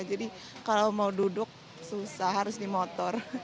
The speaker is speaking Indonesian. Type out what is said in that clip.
jadi kalau mau duduk susah harus di motor